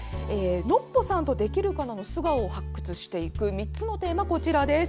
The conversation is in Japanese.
ノッポさんと「できるかな」の素顔を発掘していく３つのテーマ、こちらです。